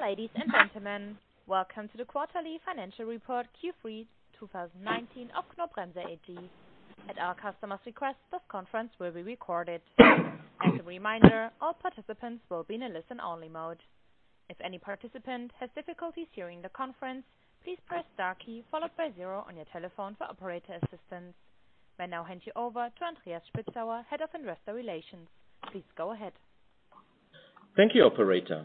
Dear ladies and gentlemen. Welcome to the quarterly financial report, Q3 2019 of Knorr-Bremse AG. At our customers' request, this conference will be recorded. As a reminder, all participants will be in a listen-only mode. If any participant has difficulties hearing the conference, please press star key followed by zero on your telephone for operator assistance. I now hand you over to Andreas Spitzauer, Head of Investor Relations. Please go ahead. Thank you, operator.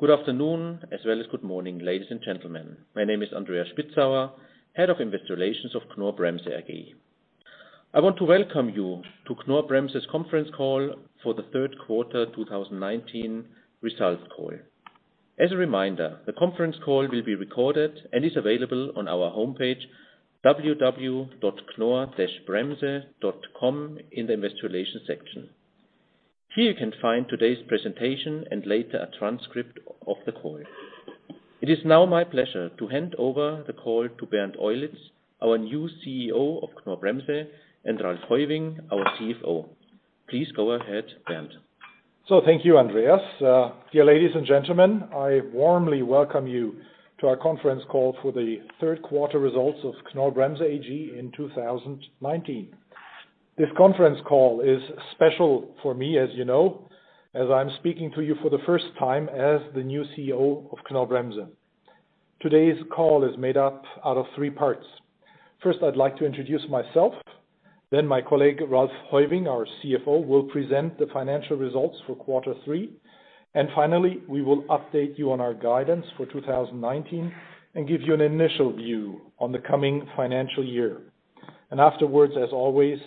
Good afternoon, as well as good morning, ladies and gentlemen. My name is Andreas Spitzauer, Head of Investor Relations of Knorr-Bremse AG. I want to welcome you to Knorr-Bremse's conference call for the 3rd quarter 2019 results call. As a reminder, the conference call will be recorded and is available on our homepage, www.knorr-bremse.com in the Investor Relations section. Here you can find today's presentation and later a transcript of the call. It is now my pleasure to hand over the call to Bernd Eulitz, our new CEO of Knorr-Bremse and Ralph Heuwing, our CFO. Please go ahead, Bernd. Thank you, Andreas. Dear ladies and gentlemen, I warmly welcome you to our conference call for the third quarter results of Knorr-Bremse AG in 2019. This conference call is special for me, as you know, as I'm speaking to you for the first time as the new CEO of Knorr-Bremse. Today's call is made up out of three parts. First, I'd like to introduce myself, then my colleague Ralph Heuwing, our CFO, will present the financial results for quarter three, and finally, we will update you on our guidance for 2019 and give you an initial view on the coming financial year. Afterwards, as always,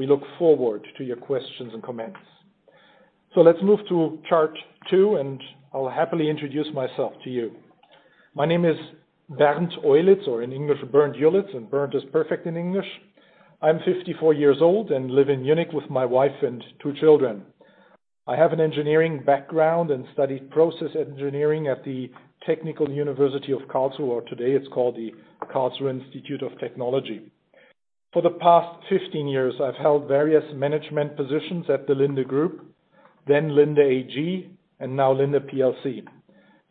we look forward to your questions and comments. Let's move to chart two, and I'll happily introduce myself to you. My name is Bernd Eulitz, or in English, Bernd Eulitz, and Bernd is perfect in English. I'm 54 years old and live in Munich with my wife and two children. I have an engineering background and studied process engineering at the Technical University of Karlsruhe. Today, it's called the Karlsruhe Institute of Technology. For the past 15 years, I've held various management positions at the Linde Group, then Linde AG, and now Linde plc.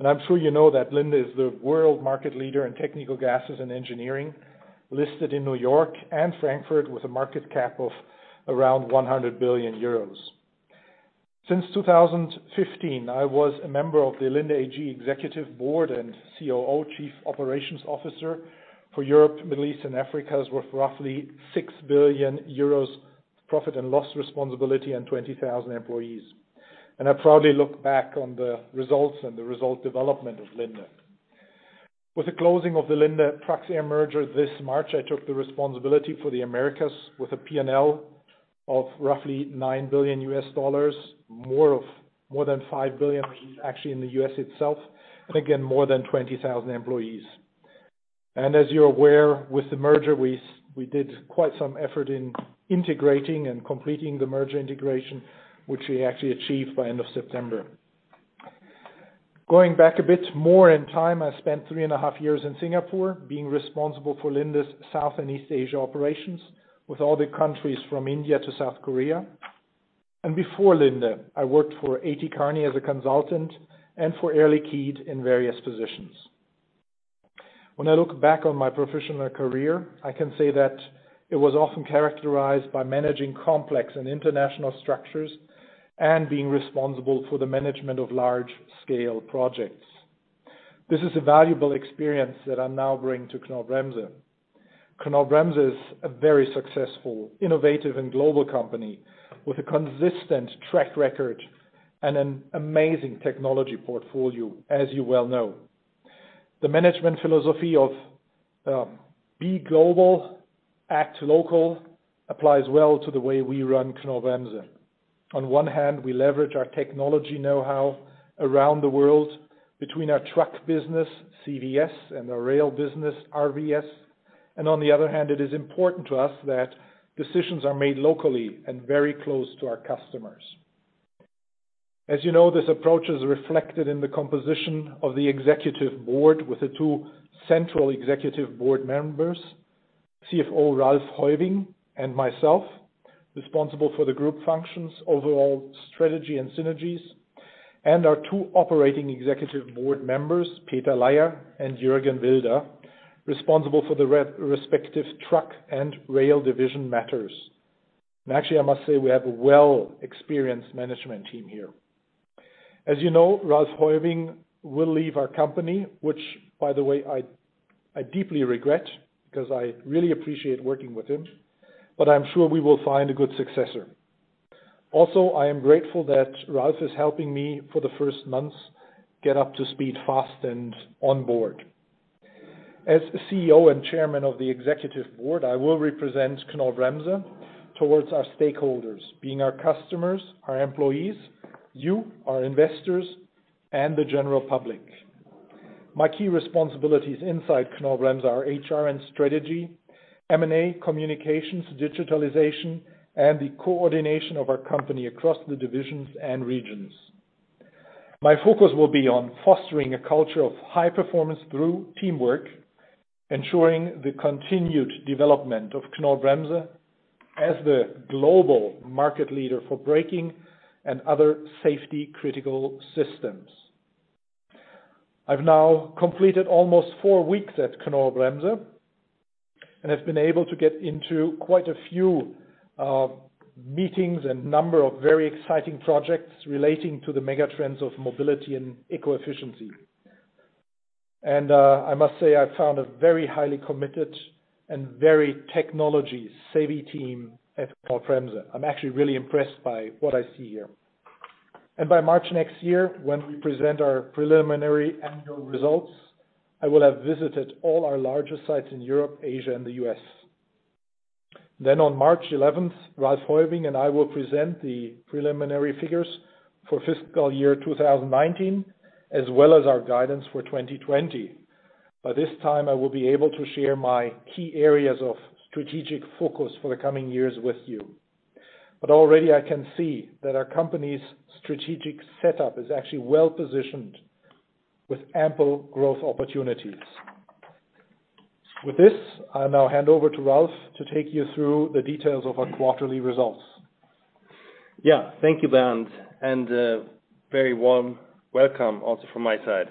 I'm sure you know that Linde is the world market leader in technical gases and engineering, listed in New York and Frankfurt, with a market cap of around 100 billion euros. Since 2015, I was a member of the Linde AG Executive Board and COO, Chief Operations Officer, for Europe, Middle East, and Africa, with roughly 6 billion euros profit and loss responsibility and 20,000 employees. I proudly look back on the results and the result development of Linde. With the closing of the Linde-Praxair merger this March, I took the responsibility for the Americas with a P&L of roughly $9 billion, more than $5 billion actually in the U.S. itself, and again, more than 20,000 employees. As you're aware, with the merger, we did quite some effort in integrating and completing the merger integration, which we actually achieved by end of September. Going back a bit more in time, I spent three and a half years in Singapore being responsible for Linde's South and East Asia operations with all the countries from India to South Korea. Before Linde, I worked for A.T. Kearney as a consultant and for Air Liquide in various positions. When I look back on my professional career, I can say that it was often characterized by managing complex and international structures and being responsible for the management of large-scale projects. This is a valuable experience that I now bring to Knorr-Bremse. Knorr-Bremse is a very successful, innovative, and global company with a consistent track record and an amazing technology portfolio, as you well know. The management philosophy of be global, act local applies well to the way we run Knorr-Bremse. On one hand, we leverage our technology know-how around the world between our truck business, CVS, and our rail business, RVS. On the other hand, it is important to us that decisions are made locally and very close to our customers. As you know, this approach is reflected in the composition of the Executive Board with the two central Executive Board Members, CFO Ralph Heuwing and myself, responsible for the group functions, overall strategy, and synergies, and our two operating Executive Board Members, Peter Laier and Juergen Wilder, responsible for the respective Truck and Rail Division matters. Actually, I must say we have a well-experienced management team here. As you know, Ralph Heuwing will leave our company, which, by the way, I deeply regret because I really appreciate working with him, but I'm sure we will find a good successor. I am grateful that Ralph is helping me for the first months get up to speed fast and on board. As CEO and Chairman of the Executive Board, I will represent Knorr-Bremse towards our stakeholders, being our customers, our employees, you, our investors, and the general public. My key responsibilities inside Knorr-Bremse are HR and strategy, M&A communications, digitalization, and the coordination of our company across the divisions and regions. My focus will be on fostering a culture of high performance through teamwork Ensuring the continued development of Knorr-Bremse as the global market leader for braking and other safety-critical systems. I've now completed almost four weeks at Knorr-Bremse, and have been able to get into quite a few meetings and number of very exciting projects relating to the mega trends of mobility and eco-efficiency. I must say, I found a very highly committed and very technology-savvy team at Knorr-Bremse. I'm actually really impressed by what I see here. By March 2020, when we present our preliminary annual results, I will have visited all our larger sites in Europe, Asia, and the U.S. On March 11th, Ralph Heuwing and I will present the preliminary figures for fiscal year 2019, as well as our guidance for 2020. By this time, I will be able to share my key areas of strategic focus for the coming years with you. Already I can see that our company's strategic setup is actually well-positioned with ample growth opportunities. With this, I now hand over to Ralph to take you through the details of our quarterly results. Yeah. Thank you, Bernd, and a very warm welcome also from my side.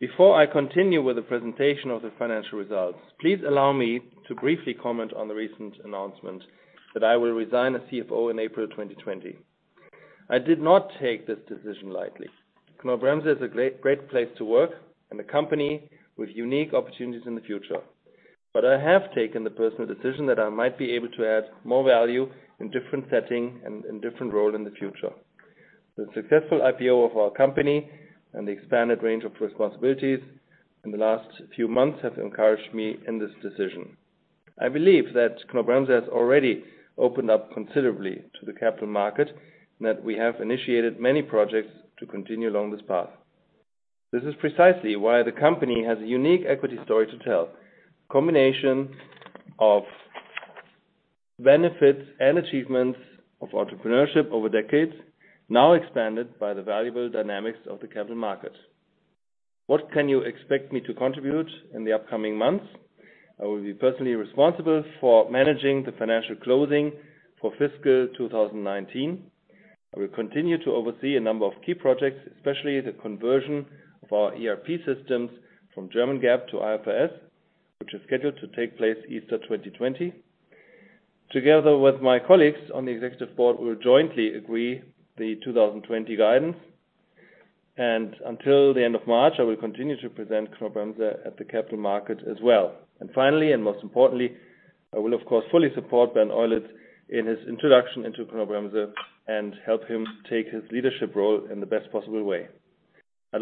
Before I continue with the presentation of the financial results, please allow me to briefly comment on the recent announcement that I will resign as CFO in April 2020. I did not take this decision lightly. Knorr-Bremse is a great place to work and a company with unique opportunities in the future. I have taken the personal decision that I might be able to add more value in different setting and different role in the future. The successful IPO of our company and the expanded range of responsibilities in the last few months have encouraged me in this decision. I believe that Knorr-Bremse has already opened up considerably to the capital market, and that we have initiated many projects to continue along this path. This is precisely why the company has a unique equity story to tell. Combination of benefits and achievements of entrepreneurship over decades, now expanded by the valuable dynamics of the capital market. What can you expect me to contribute in the upcoming months? I will be personally responsible for managing the financial closing for fiscal 2019. I will continue to oversee a number of key projects, especially the conversion of our ERP systems from German GAAP to IFRS, which is scheduled to take place Easter 2020. Together with my colleagues on the executive board, we will jointly agree the 2020 guidance. Until the end of March, I will continue to present Knorr-Bremse at the capital market as well. Finally, and most importantly, I will, of course, fully support Bernd Eulitz in his introduction into Knorr-Bremse and help him take his leadership role in the best possible way. Now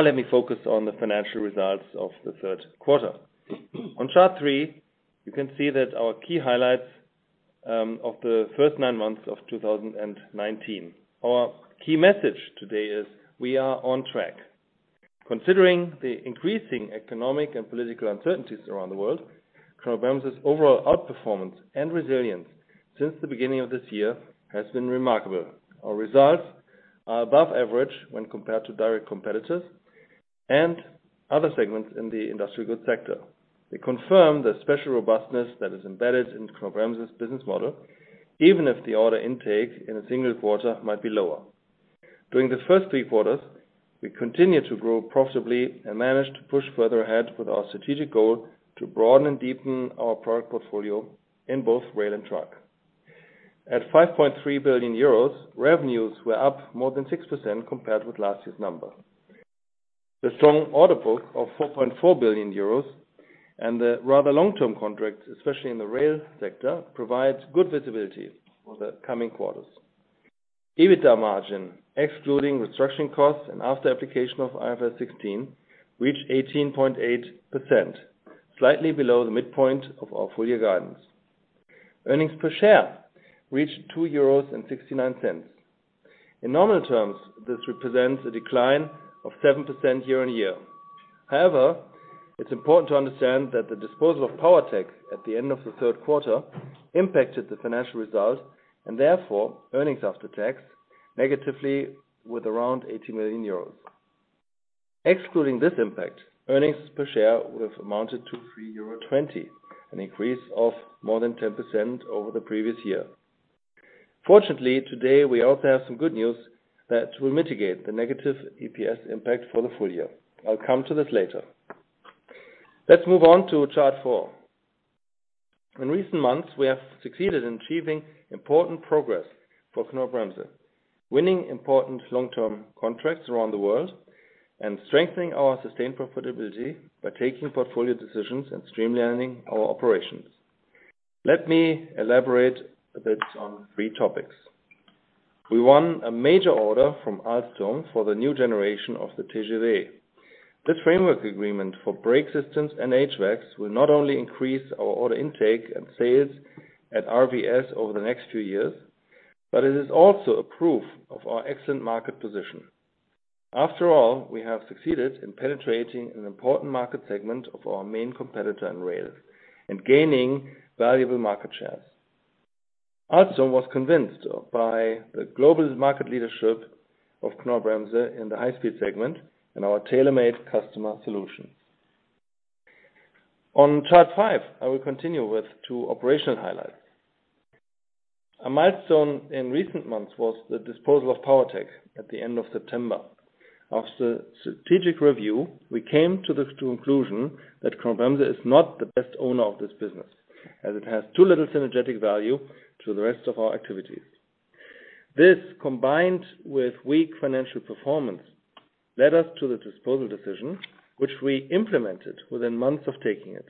let me focus on the financial results of the third quarter. On chart 3, you can see that our key highlights of the first nine months of 2019. Our key message today is we are on track. Considering the increasing economic and political uncertainties around the world, Knorr-Bremse's overall outperformance and resilience since the beginning of this year has been remarkable. Our results are above average when compared to direct competitors and other segments in the industrial goods sector. We confirm the special robustness that is embedded in Knorr-Bremse's business model, even if the order intake in a single quarter might be lower. During the first three quarters, we continued to grow profitably and managed to push further ahead with our strategic goal to broaden and deepen our product portfolio in both rail and truck. At 5.3 billion euros, revenues were up more than 6% compared with last year's number. The strong order book of 4.4 billion euros and the rather long-term contracts, especially in the rail sector, provides good visibility for the coming quarters. EBITDA margin, excluding restructuring costs and after application of IFRS 16, reached 18.8%, slightly below the midpoint of our full year guidance. Earnings per share reached 2.69 euros. In nominal terms, this represents a decline of 7% year on year. It's important to understand that the disposal of Powertech at the end of the third quarter impacted the financial result, and therefore earnings after tax negatively with around 80 million euros. Excluding this impact, earnings per share would have amounted to 3.20 euro, an increase of more than 10% over the previous year. Today, we also have some good news that will mitigate the negative EPS impact for the full year. I'll come to this later. Let's move on to chart four. In recent months, we have succeeded in achieving important progress for Knorr-Bremse, winning important long-term contracts around the world and strengthening our sustained profitability by taking portfolio decisions and streamlining our operations. Let me elaborate a bit on three topics. We won a major order from Alstom for the new generation of the TGV. This framework agreement for brake systems and HVAC will not only increase our order intake and sales at RVS over the next few years, it is also a proof of our excellent market position. Also, Alstom was convinced by the global market leadership of Knorr-Bremse in the high speed segment and our tailor-made customer solutions. On chart 5, I will continue with two operation highlights. A milestone in recent months was the disposal of Powertech at the end of September. After strategic review, we came to the conclusion that Knorr-Bremse is not the best owner of this business, as it has too little synergetic value to the rest of our activities. This, combined with weak financial performance, led us to the disposal decision, which we implemented within months of taking it.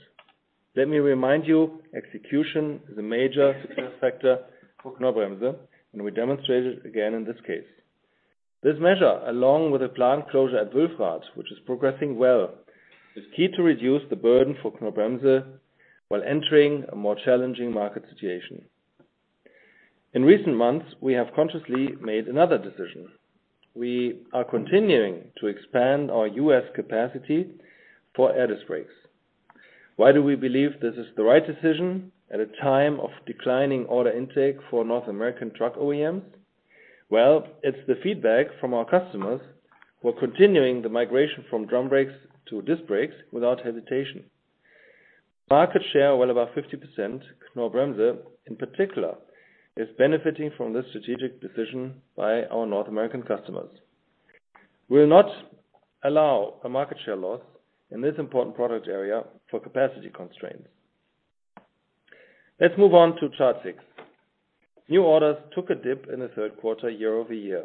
Let me remind you, execution is a major success factor for Knorr-Bremse, and we demonstrated again in this case. This measure, along with a plant closure at Wülfrath, which is progressing well, is key to reduce the burden for Knorr-Bremse while entering a more challenging market situation. In recent months, we have consciously made another decision. We are continuing to expand our U.S. capacity for air disc brakes. Why do we believe this is the right decision at a time of declining order intake for North American truck OEMs? Well, it's the feedback from our customers who are continuing the migration from drum brakes to disc brakes without hesitation. Market share well above 50%, Knorr-Bremse in particular, is benefiting from this strategic decision by our North American customers. We will not allow a market share loss in this important product area for capacity constraints. Let's move on to chart six. New orders took a dip in the third quarter year-over-year.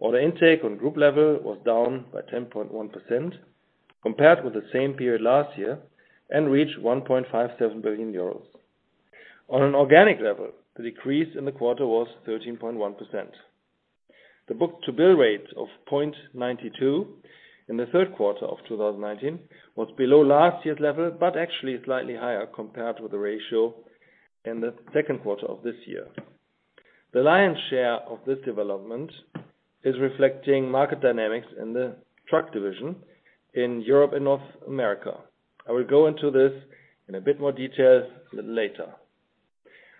Order intake on group level was down by 10.1% compared with the same period last year and reached 1.57 billion euros. On an organic level, the decrease in the quarter was 13.1%. The book-to-bill rate of 0.92 in the third quarter of 2019 was below last year's level, but actually slightly higher compared with the ratio in the second quarter of this year. The lion's share of this development is reflecting market dynamics in the truck division in Europe and North America. I will go into this in a bit more detail a little later.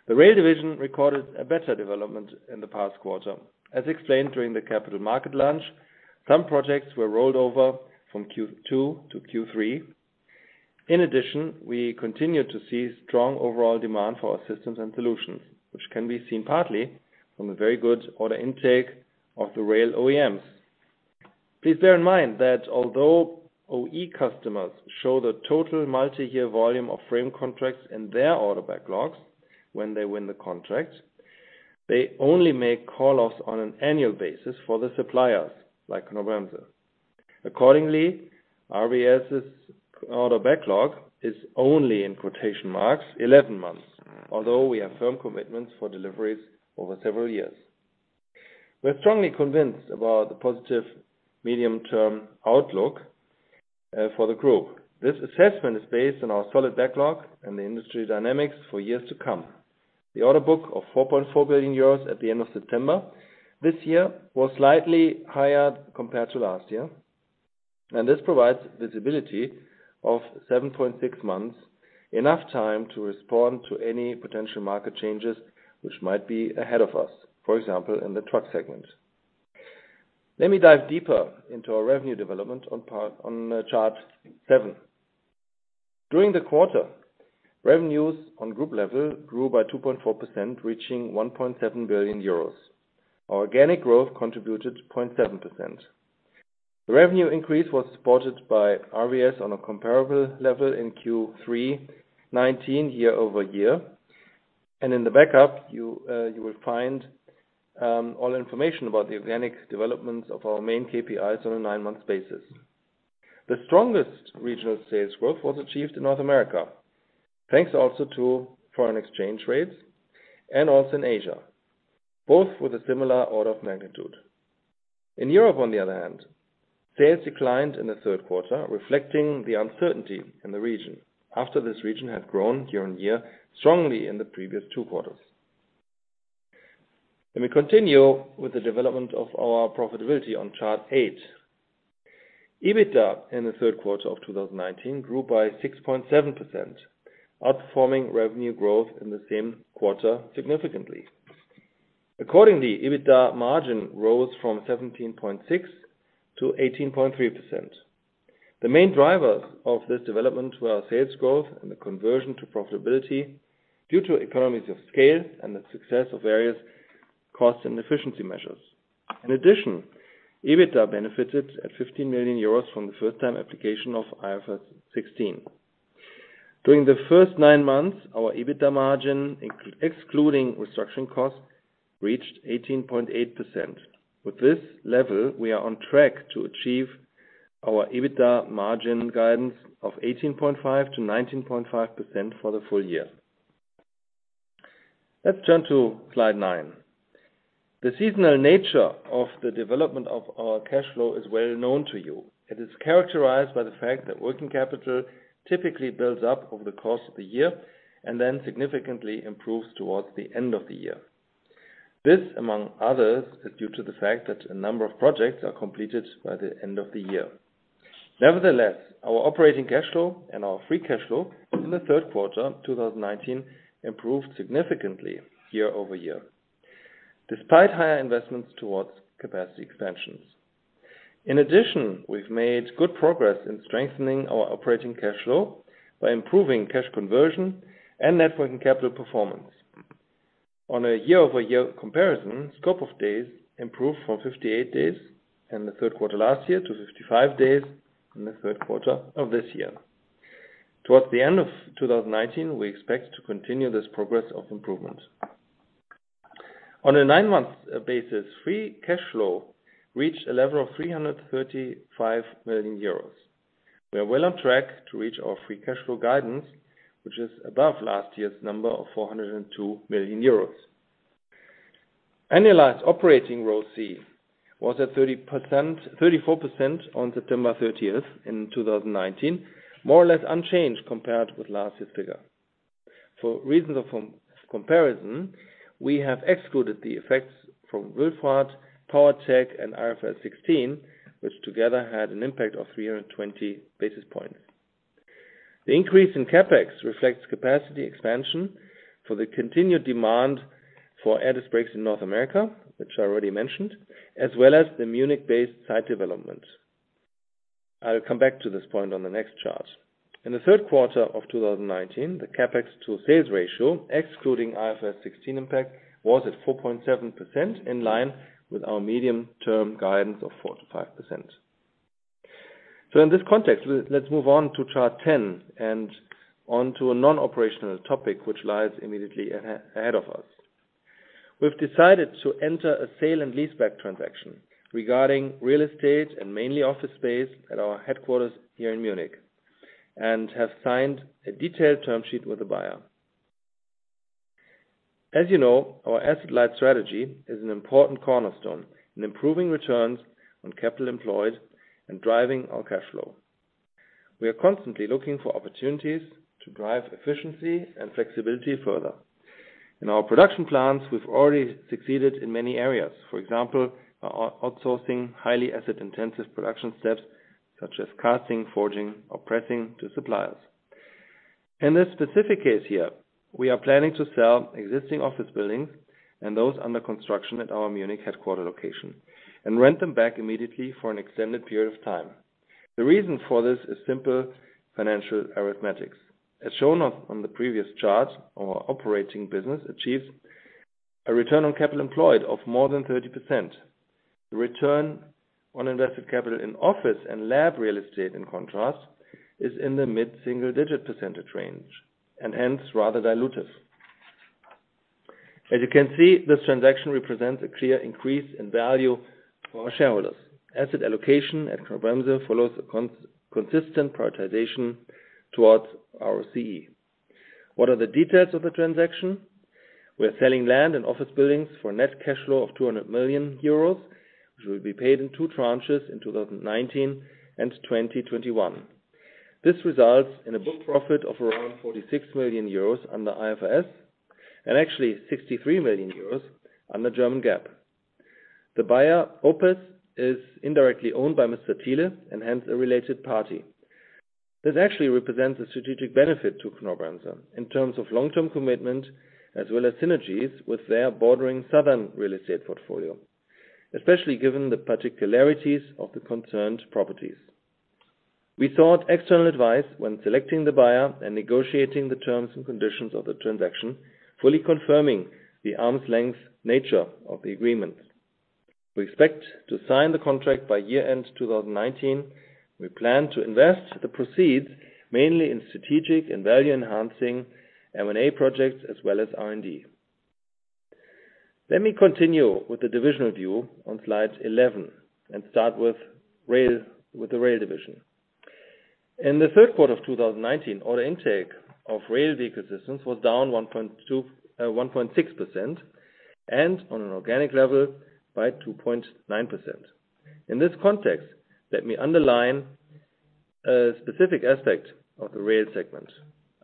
The rail division recorded a better development in the past quarter. As explained during the capital market lunch, some projects were rolled over from Q2 to Q3. In addition, we continued to see strong overall demand for our systems and solutions, which can be seen partly from a very good order intake of the rail OEMs. Please bear in mind that although OE customers show the total multi-year volume of frame contracts in their order backlogs when they win the contract, they only make call-offs on an annual basis for the suppliers like Knorr-Bremse. Accordingly, RVS' order backlog is only in quotation marks 11 months, although we have firm commitments for deliveries over several years. We are strongly convinced about the positive medium-term outlook for the group. This assessment is based on our solid backlog and the industry dynamics for years to come. The order book of 4.4 billion euros at the end of September this year was slightly higher compared to last year. This provides visibility of 7.6 months, enough time to respond to any potential market changes which might be ahead of us, for example, in the truck segment. Let me dive deeper into our revenue development on chart seven. During the quarter, revenues on group level grew by 2.4%, reaching 1.7 billion euros. Our organic growth contributed 0.7%. The revenue increase was supported by RVS on a comparable level in Q3 2019 year-over-year. In the backup, you will find all information about the organic developments of our main KPIs on a nine-month basis. The strongest regional sales growth was achieved in North America, thanks also to foreign exchange rates and also in Asia, both with a similar order of magnitude. In Europe, on the other hand, sales declined in the third quarter, reflecting the uncertainty in the region after this region had grown year-on-year strongly in the previous two quarters. Let me continue with the development of our profitability on chart 8. EBITDA in the third quarter of 2019 grew by 6.7%, outperforming revenue growth in the same quarter significantly. Accordingly, EBITDA margin rose from 17.6 to 18.3%. The main drivers of this development were our sales growth and the conversion to profitability due to economies of scale and the success of various cost and efficiency measures. In addition, EBITDA benefited at 15 million euros from the first time application of IFRS 16. During the first nine months, our EBITDA margin, excluding restructuring costs, reached 18.8%. With this level, we are on track to achieve our EBITDA margin guidance of 18.5%-19.5% for the full year. Let's turn to slide nine. The seasonal nature of the development of our cash flow is well known to you. It is characterized by the fact that working capital typically builds up over the course of the year and then significantly improves towards the end of the year. This, among others, is due to the fact that a number of projects are completed by the end of the year. Nevertheless, our operating cash flow and our free cash flow in the third quarter 2019 improved significantly year-over-year, despite higher investments towards capacity expansions. In addition, we've made good progress in strengthening our operating cash flow by improving cash conversion and net working capital performance. On a year-over-year comparison, DSO improved from 58 days in the third quarter last year to 55 days in the third quarter of this year. Towards the end of 2019, we expect to continue this progress of improvement. On a nine-month basis, free cash flow reached a level of 335 million euros. We are well on track to reach our free cash flow guidance, which is above last year's number of 402 million euros. Annualized operating ROCE was at 34% on September 30th in 2019, more or less unchanged compared with last year's figure. For reasons of comparison, we have excluded the effects from Wülfrath, Powertech, and IFRS 16, which together had an impact of 320 basis points. The increase in CapEx reflects capacity expansion for the continued demand for air disc brakes in North America, which I already mentioned, as well as the Munich-based site development. I will come back to this point on the next chart. In the third quarter of 2019, the CapEx to sales ratio, excluding IFRS 16 impact, was at 4.7% in line with our medium-term guidance of 4%-5%. In this context, let's move on to chart 10 and onto a non-operational topic which lies immediately ahead of us. We've decided to enter a sale and leaseback transaction regarding real estate and mainly office space at our headquarters here in Munich and have signed a detailed term sheet with the buyer. As you know, our asset-light strategy is an important cornerstone in improving returns on capital employed and driving our cash flow. We are constantly looking for opportunities to drive efficiency and flexibility further. In our production plants, we've already succeeded in many areas. For example, by outsourcing highly asset-intensive production steps such as casting, forging, or pressing to suppliers. In this specific case here, we are planning to sell existing office buildings and those under construction at our Munich headquarter location and rent them back immediately for an extended period of time. The reason for this is simple financial arithmetic. As shown on the previous chart, our operating business achieves a return on capital employed of more than 30%. The return on invested capital in office and lab real estate, in contrast, is in the mid-single digit percentage range and hence rather dilutive. As you can see, this transaction represents a clear increase in value for our shareholders. Asset allocation at Knorr-Bremse follows a consistent prioritization towards our ROCE. What are the details of the transaction? We're selling land and office buildings for net cash flow of 200 million euros, which will be paid in two tranches in 2019 and 2021. This results in a book profit of around 46 million euros under IFRS and actually 63 million euros under German GAAP. The buyer, Opus, is indirectly owned by Mr. Thiele, and hence a related party. This actually represents a strategic benefit to Knorr-Bremse in terms of long-term commitment as well as synergies with their bordering southern real estate portfolio, especially given the particularities of the concerned properties. We sought external advice when selecting the buyer and negotiating the terms and conditions of the transaction, fully confirming the arm's length nature of the agreement. We expect to sign the contract by year-end 2019. We plan to invest the proceeds mainly in strategic and value-enhancing M&A projects as well as R&D. Let me continue with the divisional view on slide 11 and start with the rail division. In the third quarter of 2019, order intake of Rail Vehicle Systems was down 1.6% and on an organic level by 2.9%. In this context, let me underline a specific aspect of the rail segment.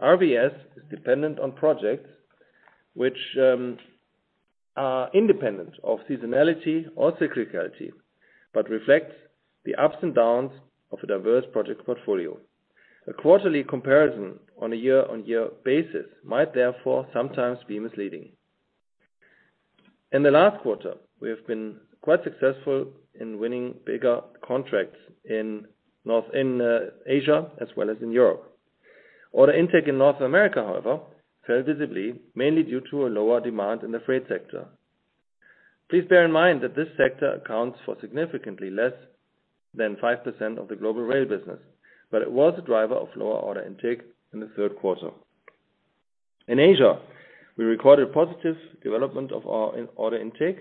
RVS is dependent on projects which are independent of seasonality or cyclicality but reflect the ups and downs of a diverse project portfolio. A quarterly comparison on a year-on-year basis might therefore sometimes be misleading. In the last quarter, we have been quite successful in winning bigger contracts in Asia as well as in Europe. Order intake in North America, however, fell visibly, mainly due to a lower demand in the freight sector. Please bear in mind that this sector accounts for significantly less than 5% of the global rail business, but it was a driver of lower order intake in the third quarter. In Asia, we recorded positive development of our order intake,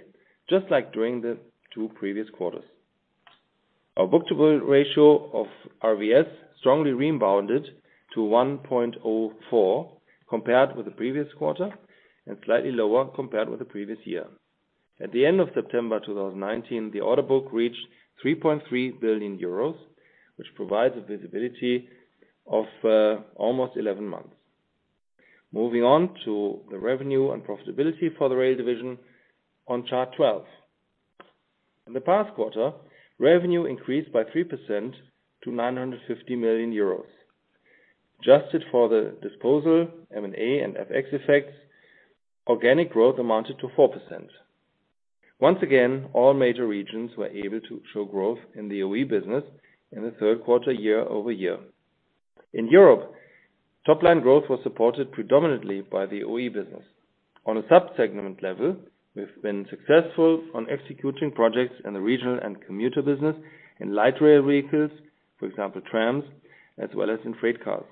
just like during the two previous quarters. Our book-to-bill ratio of RVS strongly rebounded to 1.04 compared with the previous quarter and slightly lower compared with the previous year. At the end of September 2019, the order book reached 3.3 billion euros, which provides a visibility of almost 11 months. Moving on to the revenue and profitability for the rail division on chart 12. In the past quarter, revenue increased by 3% to 950 million euros. Adjusted for the disposal, M&A, and FX effects, organic growth amounted to 4%. Once again, all major regions were able to show growth in the OE business in the third quarter year-over-year. In Europe, top-line growth was supported predominantly by the OE business. On a sub-segment level, we've been successful on executing projects in the regional and commuter business in light rail vehicles, for example, trams, as well as in freight cars.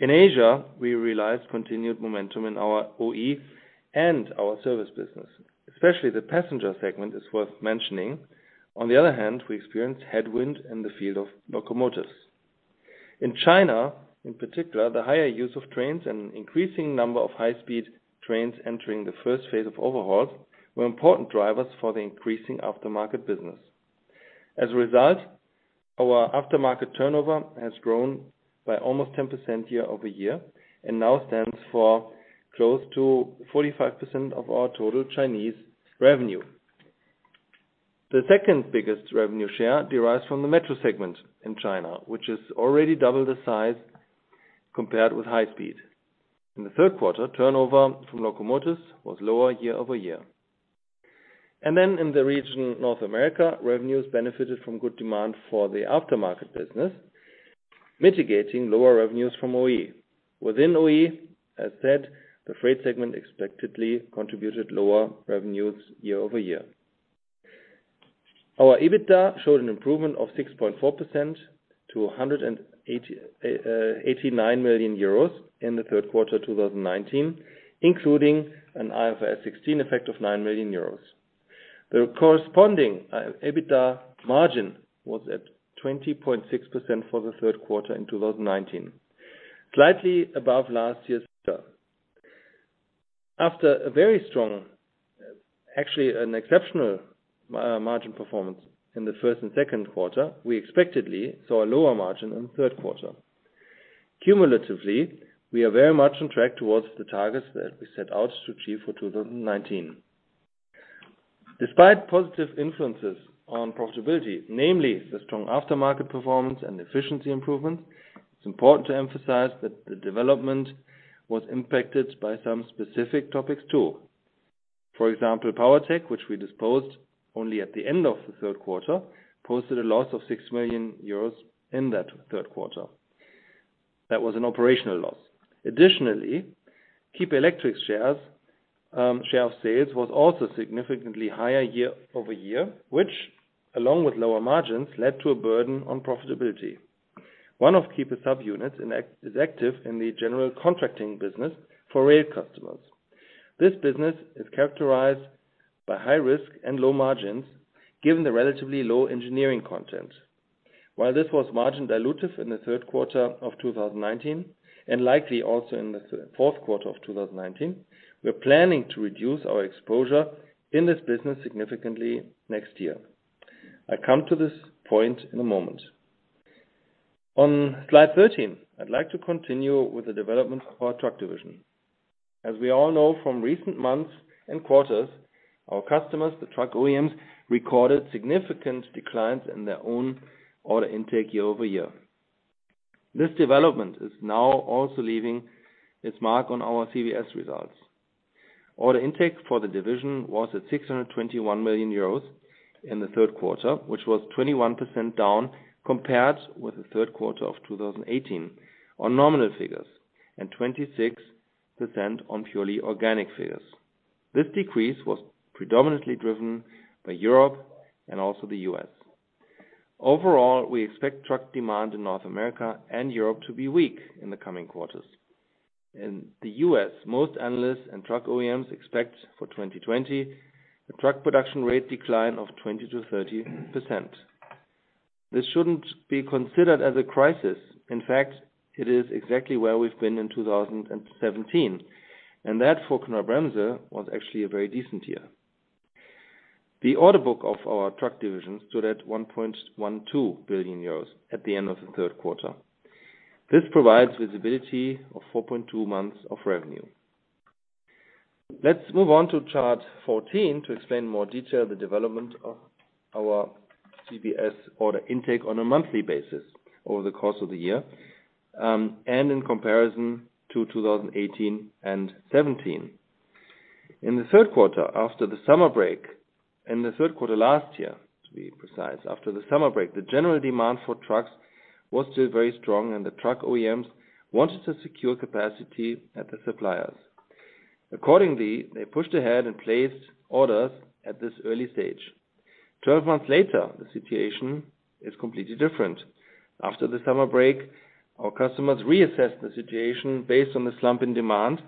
In Asia, we realized continued momentum in our OE and our service business. Especially the passenger segment is worth mentioning. On the other hand, we experienced headwind in the field of locomotives. In China, in particular, the higher use of trains and increasing number of high-speed trains entering the first phase of overhauls were important drivers for the increasing aftermarket business. Our aftermarket turnover has grown by almost 10% year-over-year and now stands for close to 45% of our total Chinese revenue. The second-biggest revenue share derives from the metro segment in China, which is already double the size compared with high speed. In the third quarter, turnover from locomotives was lower year-over-year. In the region North America, revenues benefited from good demand for the aftermarket business, mitigating lower revenues from OE. Within OE, as said, the freight segment expectedly contributed lower revenues year-over-year. Our EBITDA showed an improvement of 6.4% to 189 million euros in the third quarter 2019, including an IFRS 16 effect of 9 million euros. The corresponding EBITDA margin was at 20.6% for the third quarter in 2019, slightly above last year's figure. After a very strong, actually an exceptional margin performance in the first and second quarter, we expectedly saw a lower margin in the third quarter. Cumulatively, we are very much on track towards the targets that we set out to achieve for 2019. Despite positive influences on profitability, namely the strong aftermarket performance and efficiency improvement, it's important to emphasize that the development was impacted by some specific topics, too. For example, Powertech, which we disposed only at the end of the third quarter, posted a loss of 6 million euros in that third quarter. That was an operational loss. Additionally, Kiepe Electric's share of sales was also significantly higher year-over-year, which along with lower margins, led to a burden on profitability. One of Kiepe's subunits is active in the general contracting business for rail customers. This business is characterized by high risk and low margins given the relatively low engineering content. While this was margin dilutive in the third quarter of 2019 and likely also in the fourth quarter of 2019, we're planning to reduce our exposure in this business significantly next year. I come to this point in a moment. On slide 13, I'd like to continue with the development of our truck division. As we all know from recent months and quarters, our customers, the truck OEMs, recorded significant declines in their own order intake year-over-year. This development is now also leaving its mark on our CVS results. Order intake for the division was at 621 million euros in the third quarter, which was 21% down compared with the third quarter of 2018 on nominal figures, and 26% on purely organic figures. This decrease was predominantly driven by Europe and also the U.S. Overall, we expect truck demand in North America and Europe to be weak in the coming quarters. In the U.S., most analysts and truck OEMs expect for 2020 a truck production rate decline of 20%-30%. This shouldn't be considered as a crisis. In fact, it is exactly where we've been in 2017, and that for Knorr-Bremse was actually a very decent year. The order book of our truck division stood at 1.12 billion euros at the end of the third quarter. This provides visibility of 4.2 months of revenue. Let's move on to chart 14 to explain in more detail the development of our CVS order intake on a monthly basis over the course of the year, and in comparison to 2018 and 2017. In the third quarter last year, to be precise, after the summer break, the general demand for trucks was still very strong, the truck OEMs wanted to secure capacity at the suppliers. Accordingly, they pushed ahead and placed orders at this early stage. 12 months later, the situation is completely different. After the summer break, our customers reassessed the situation based on the slump in demand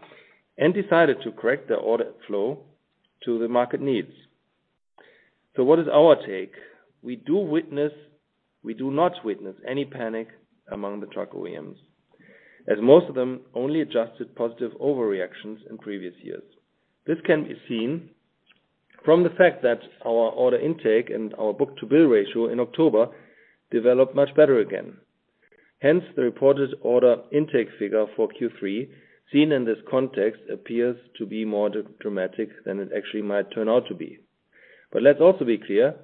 and decided to correct their order flow to the market needs. What is our take? We do not witness any panic among the truck OEMs, as most of them only adjusted positive overreactions in previous years. This can be seen from the fact that our order intake and our book-to-bill ratio in October developed much better again. The reported order intake figure for Q3, seen in this context, appears to be more dramatic than it actually might turn out to be. Let's also be clear,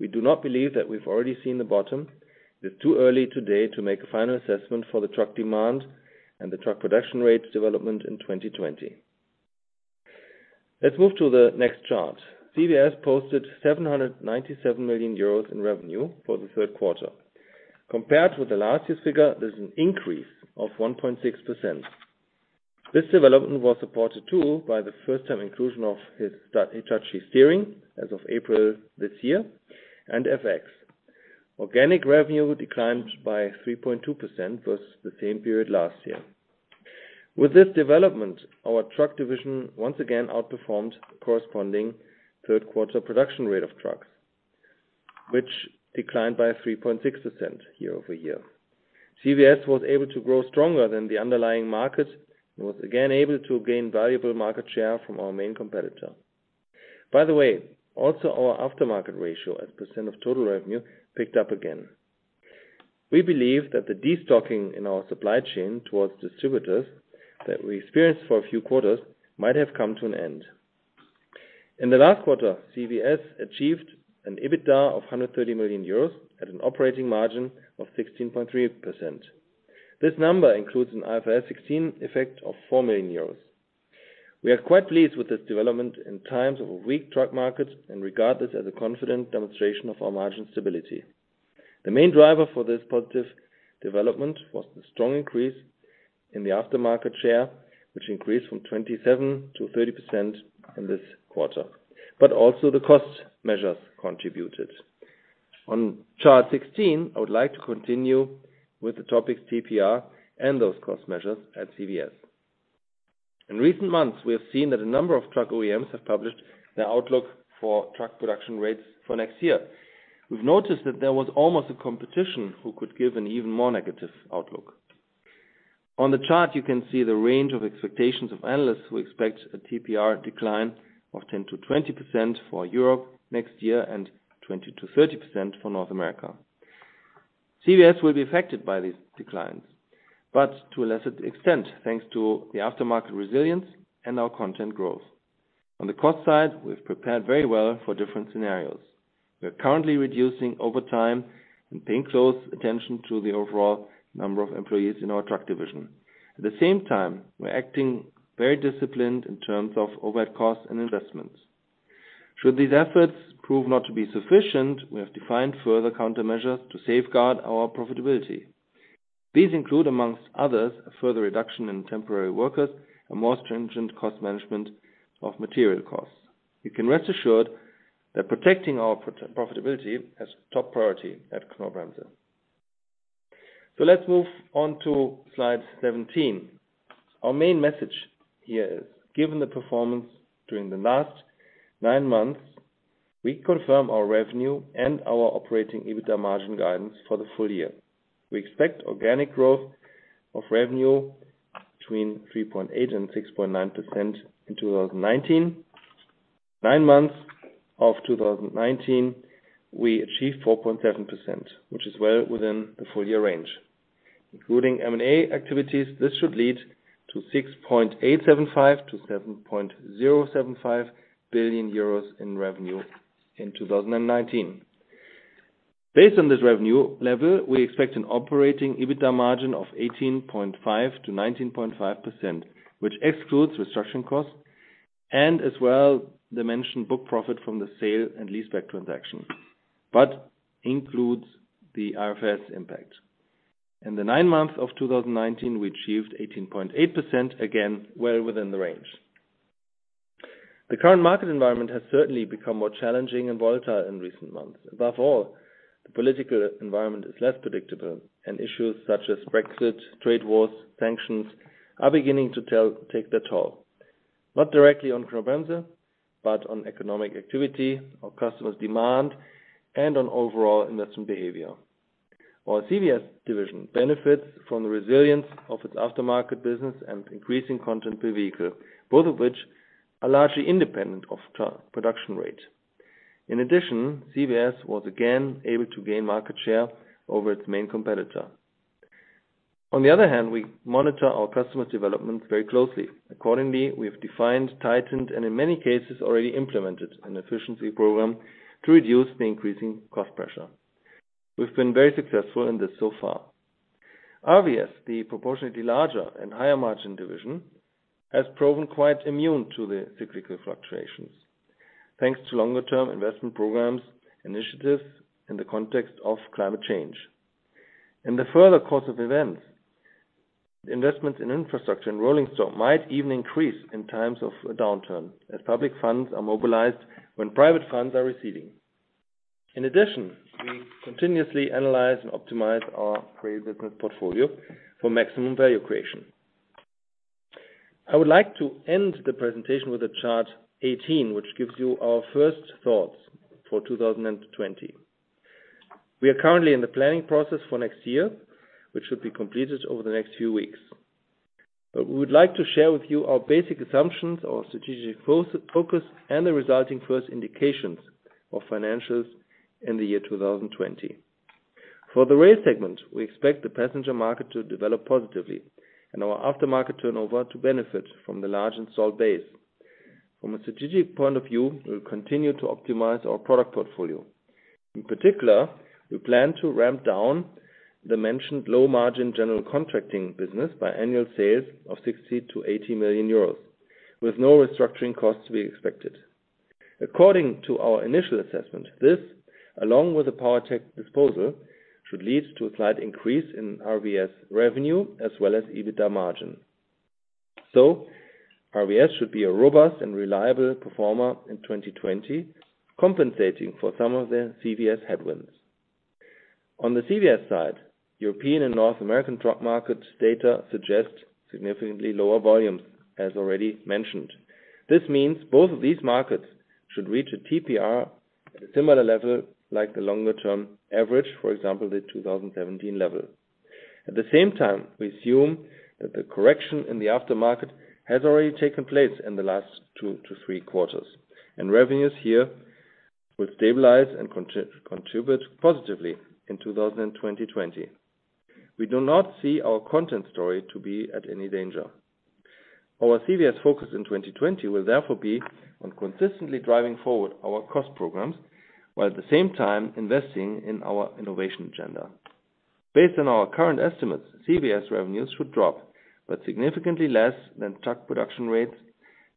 we do not believe that we've already seen the bottom. It's too early today to make a final assessment for the truck demand and the truck production rate development in 2020. Let's move to the next chart. CVS posted 797 million euros in revenue for the third quarter. Compared with the last year's figure, there's an increase of 1.6%. This development was supported too by the first-time inclusion of Hitachi Steering as of April this year, and FX. Organic revenue declined by 3.2% versus the same period last year. With this development, our truck division once again outperformed the corresponding third-quarter production rate of trucks, which declined by 3.6% year-over-year. CVS was able to grow stronger than the underlying market and was again able to gain valuable market share from our main competitor. By the way, also our aftermarket ratio as a % of total revenue picked up again. We believe that the de-stocking in our supply chain towards distributors that we experienced for a few quarters might have come to an end. In the last quarter, CVS achieved an EBITDA of 130 million euros at an operating margin of 16.3%. This number includes an IFRS 16 effect of 4 million euros. We are quite pleased with this development in times of a weak truck market and regard this as a confident demonstration of our margin stability. The main driver for this positive development was the strong increase in the aftermarket share, which increased from 27% to 30% in this quarter. Also the cost measures contributed. On chart 16, I would like to continue with the topic TPR and those cost measures at CVS. In recent months, we have seen that a number of truck OEMs have published their outlook for truck production rates for next year. We've noticed that there was almost a competition who could give an even more negative outlook. On the chart, you can see the range of expectations of analysts who expect a TPR decline of 10%-20% for Europe next year and 20%-30% for North America. CVS will be affected by these declines, but to a lesser extent, thanks to the aftermarket resilience and our content growth. On the cost side, we've prepared very well for different scenarios. We are currently reducing overtime and paying close attention to the overall number of employees in our truck division. At the same time, we're acting very disciplined in terms of overhead costs and investments. Should these efforts prove not to be sufficient, we have defined further countermeasures to safeguard our profitability. These include, amongst others, a further reduction in temporary workers and more stringent cost management of material costs. You can rest assured that protecting our profitability has top priority at Knorr-Bremse. Let's move on to slide 17. Our main message here is, given the performance during the last nine months, we confirm our revenue and our operating EBITDA margin guidance for the full year. We expect organic growth of revenue between 3.8% and 6.9% in 2019. Nine months of 2019, we achieved 4.7%, which is well within the full-year range. Including M&A activities, this should lead to 6.875 billion-7.075 billion euros in revenue in 2019. Based on this revenue level, we expect an operating EBITDA margin of 18.5%-19.5%, which excludes restructuring costs and as well the mentioned book profit from the sale and leaseback transaction, but includes the IFRS impact. In the nine months of 2019, we achieved 18.8%, again, well within the range. The current market environment has certainly become more challenging and volatile in recent months. Above all, the political environment is less predictable, and issues such as Brexit, trade wars, sanctions, are beginning to take their toll. Not directly on Knorr-Bremse, but on economic activity, our customers' demand, and on overall investment behavior. Our CVS division benefits from the resilience of its aftermarket business and increasing content per vehicle, both of which are largely independent of truck production rate. In addition, CVS was again able to gain market share over its main competitor. On the other hand, we monitor our customers' developments very closely. Accordingly, we have defined, tightened, and in many cases, already implemented an efficiency program to reduce the increasing cost pressure. We've been very successful in this so far. RVS, the proportionately larger and higher margin division, has proven quite immune to the cyclical fluctuations, thanks to longer-term investment programs initiatives in the context of climate change. In the further course of events, investments in infrastructure and rolling stock might even increase in times of a downturn as public funds are mobilized when private funds are receding. In addition, we continuously analyze and optimize our railway business portfolio for maximum value creation. I would like to end the presentation with a chart 18, which gives you our first thoughts for 2020. We are currently in the planning process for next year, which should be completed over the next few weeks. We would like to share with you our basic assumptions, our strategic focus, and the resulting first indications of financials in the year 2020. For the rail segment, we expect the passenger market to develop positively, and our aftermarket turnover to benefit from the large installed base. From a strategic point of view, we'll continue to optimize our product portfolio. In particular, we plan to ramp down the mentioned low-margin general contracting business by annual sales of 60 million-80 million euros, with no restructuring costs to be expected. According to our initial assessment, this, along with the Powertech disposal, should lead to a slight increase in RVS revenue as well as EBITDA margin. RVS should be a robust and reliable performer in 2020, compensating for some of the CVS headwinds. On the CVS side, European and North American truck market data suggests significantly lower volumes as already mentioned. This means both of these markets should reach a TPR at a similar level like the longer-term average, for example, the 2017 level. At the same time, we assume that the correction in the aftermarket has already taken place in the last two to three quarters, and revenues here will stabilize and contribute positively in 2020. We do not see our content story to be at any danger. Our CVS focus in 2020 will therefore be on consistently driving forward our cost programs, while at the same time investing in our innovation agenda. Based on our current estimates, CVS revenues should drop, but significantly less than truck production rates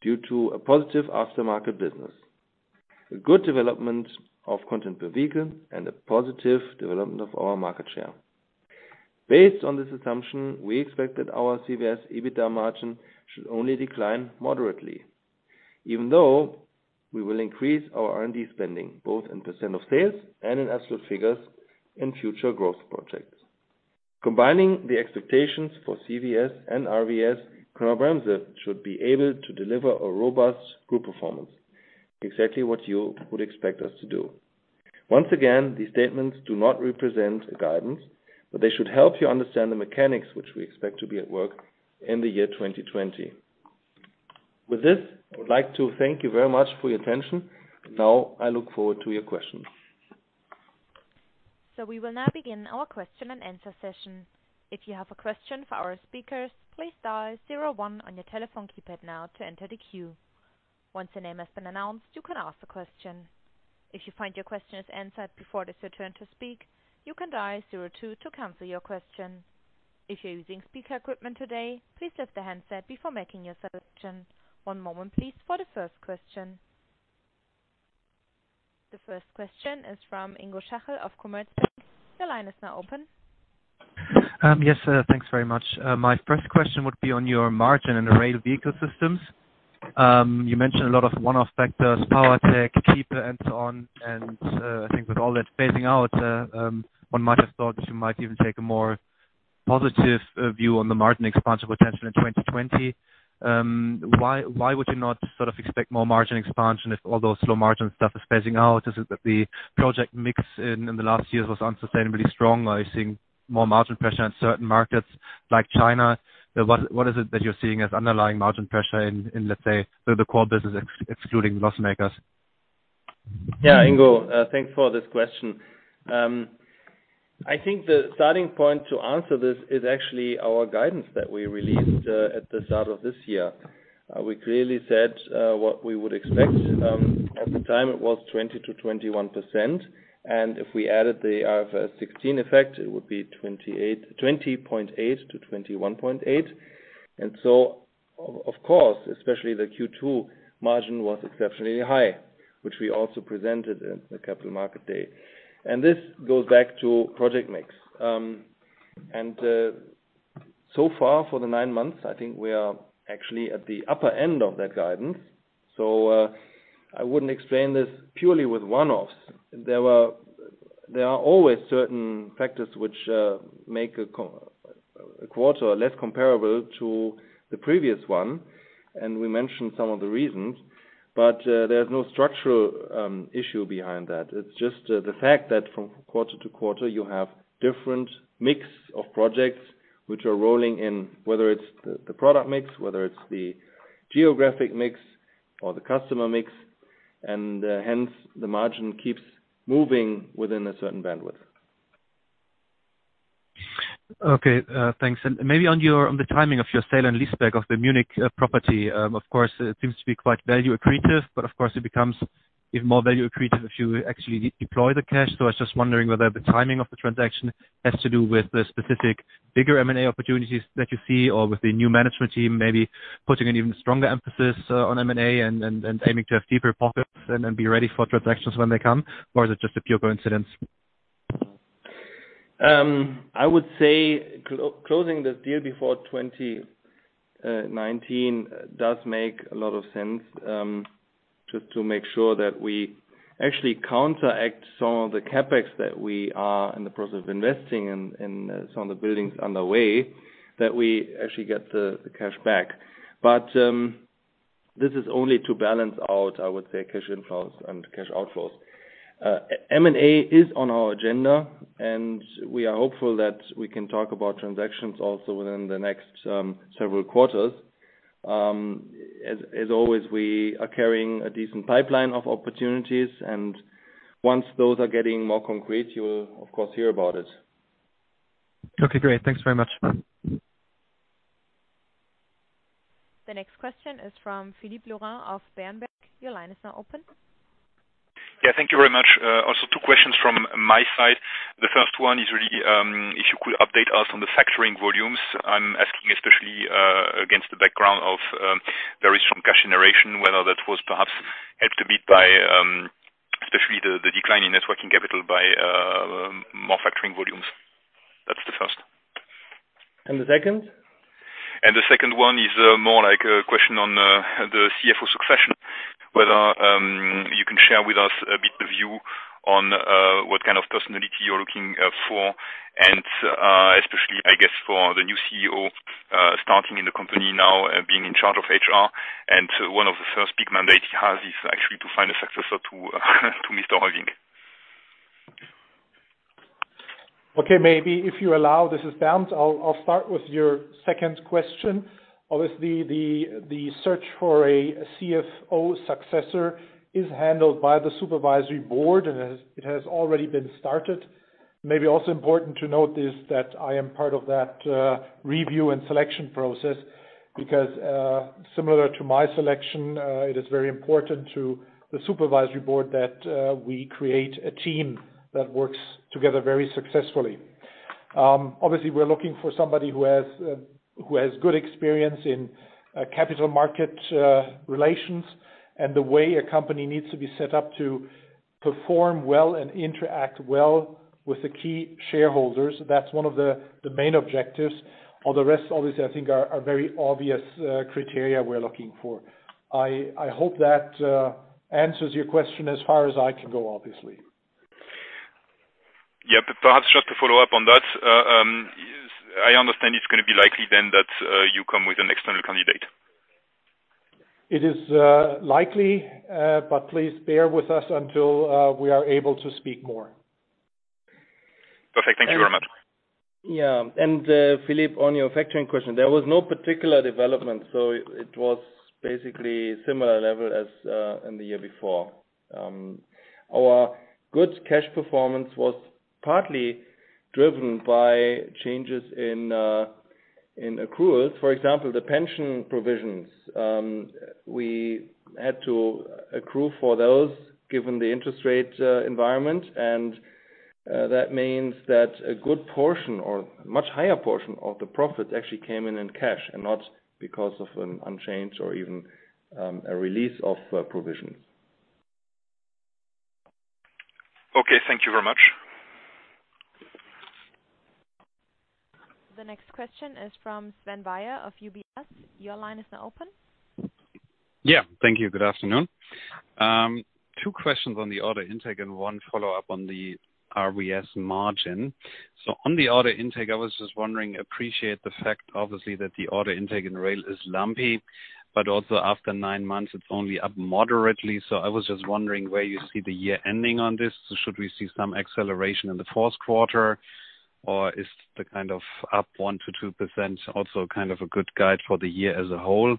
due to a positive aftermarket business, a good development of content per vehicle, and a positive development of our market share. Based on this assumption, we expect that our CVS EBITDA margin should only decline moderately, even though we will increase our R&D spending both in % of sales and in absolute figures in future growth projects. Combining the expectations for CVS and RVS, Knorr-Bremse should be able to deliver a robust group performance, exactly what you would expect us to do. Once again, these statements do not represent a guidance, but they should help you understand the mechanics which we expect to be at work in the year 2020. With this, I would like to thank you very much for your attention. Now I look forward to your questions. We will now begin our question and answer session. If you have a question for our speakers, please dial 01 on your telephone keypad now to enter the queue. Once your name has been announced, you can ask the question. If you find your question is answered before it is your turn to speak, you can dial 02 to cancel your question. If you're using speaker equipment today, please lift the handset before making your selection. One moment, please, for the first question. The first question is from Ingo Schachel of Commerzbank. Your line is now open. Yes, thanks very much. My first question would be on your margin in the rail ecosystems. You mentioned a lot of one-off factors, Powertech, Kiepe, and so on. I think with all that phasing out, one might have thought that you might even take a more positive view on the margin expansion potential in 2020. Why would you not sort of expect more margin expansion if all those low margin stuff is phasing out? Is it that the project mix in the last years was unsustainably strong? Are you seeing more margin pressure in certain markets like China? What is it that you're seeing as underlying margin pressure in, let's say, the core business excluding loss makers? Yeah, Ingo, thanks for this question. I think the starting point to answer this is actually our guidance that we released at the start of this year. We clearly said what we would expect. At the time it was 20%-21%, and if we added the IFRS 16 effect, it would be 20.8%-21.8%. Of course, especially the Q2 margin was exceptionally high, which we also presented at the Capital Markets Day. This goes back to project mix. So far for the nine months, I think we are actually at the upper end of that guidance. I wouldn't explain this purely with one-offs. There are always certain factors which make a quarter less comparable to the previous one, and we mentioned some of the reasons, but there's no structural issue behind that. It's just the fact that from quarter to quarter, you have different mix of projects which are rolling in, whether it's the product mix, whether it's the geographic mix or the customer mix, and hence the margin keeps moving within a certain bandwidth. Okay, thanks. Maybe on the timing of your sale and leaseback of the Munich property. Of course, it seems to be quite value accretive, of course it becomes even more value accretive if you actually deploy the cash. I was just wondering whether the timing of the transaction has to do with the specific bigger M&A opportunities that you see or with the new management team maybe putting an even stronger emphasis on M&A and aiming to have deeper pockets and be ready for transactions when they come. Is it just a pure coincidence? I would say closing this deal before 2019 does make a lot of sense, just to make sure that we actually counteract some of the CapEx that we are in the process of investing in some of the buildings on the way that we actually get the cash back. This is only to balance out, I would say, cash inflows and cash outflows. M&A is on our agenda, and we are hopeful that we can talk about transactions also within the next several quarters. As always, we are carrying a decent pipeline of opportunities, and once those are getting more concrete, you will of course hear about it. Okay, great. Thanks very much. The next question is from Philippe Lorrain of Berenberg. Your line is now open. Yeah. Thank you very much. Also two questions from my side. The first one is really, if you could update us on the factoring volumes. I'm asking especially against the background of very strong cash generation, whether that was perhaps helped a bit by, especially the decline in net working capital by more factoring volumes. That's the first. The second? The second one is more like a question on the CFO succession, whether you can share with us a bit of view on what kind of personality you're looking for and especially, I guess for the new CEO, starting in the company now, being in charge of HR and one of the first big mandates he has is actually to find a successor to Mr. Heuwing. Okay. Maybe if you allow, this is Bernd. I'll start with your second question. The search for a CFO successor is handled by the supervisory board. It has already been started. Maybe also important to note is that I am part of that review and selection process because, similar to my selection, it is very important to the supervisory board that we create a team that works together very successfully. We're looking for somebody who has good experience in capital market relations and the way a company needs to be set up to perform well and interact well with the key shareholders. That's one of the main objectives. All the rest, obviously, I think are very obvious criteria we're looking for. I hope that answers your question as far as I can go, obviously. Yeah. Perhaps just to follow up on that, I understand it's going to be likely then that you come with an external candidate. It is likely, but please bear with us until we are able to speak more. Perfect. Thank you very much. Yeah. Philippe, on your factoring question, there was no particular development, so it was basically similar level as in the year before. Our goods cash performance was partly driven by changes in accruals, for example, the pension provisions. We had to accrue for those given the interest rate environment and that means that a good portion or much higher portion of the profit actually came in in cash and not because of an unchanged or even a release of provision. Okay. Thank you very much. The next question is from Sven Weier of UBS. Your line is now open. Yeah. Thank you. Good afternoon. Two questions on the order intake and one follow-up on the RVS margin. On the order intake, I was just wondering, appreciate the fact, obviously, that the order intake in rail is lumpy, but also after nine months it's only up moderately. I was just wondering where you see the year ending on this. Should we see some acceleration in the fourth quarter or is the kind of up 1%-2% also kind of a good guide for the year as a whole?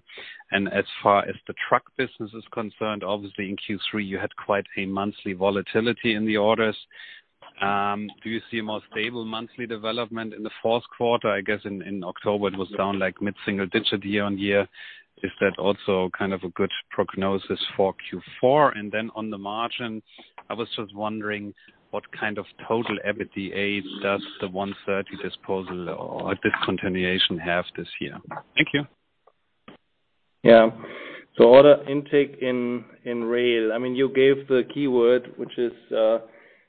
As far as the truck business is concerned, obviously in Q3 you had quite a monthly volatility in the orders. Do you see a more stable monthly development in the fourth quarter? I guess in October it was down like mid-single digit year-over-year. Is that also a good prognosis for Q4? On the margin, I was just wondering what kind of total EBITDA does the 130 disposal or discontinuation have this year? Thank you. Order intake in rail. You gave the keyword, which is